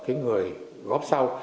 lấy tiền của người góp sau